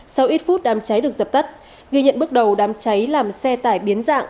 sau ít phút đám cháy được dập tắt ghi nhận bước đầu đám cháy làm xe tải biến dạng